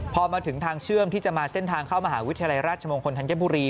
พอมาถึงทางเชื่อมที่จะมาเส้นทางเข้ามหาวิทยาลัยราชมงคลธัญบุรี